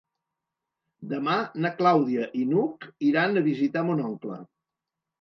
Demà na Clàudia i n'Hug iran a visitar mon oncle.